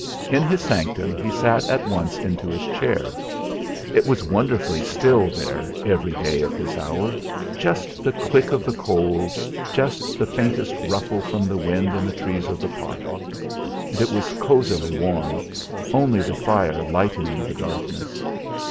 In his sanctum he sank at once into his chair. It was wonderfully still there every day at this hour; just the click of the coals, just the faintest ruffle from the wind in the trees of the park. And it was cosily warm, only the fire lightening the darkness.